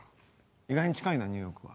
意外に近いなニューヨークは。